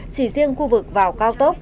chỉ riêng khu vực vào cao tốc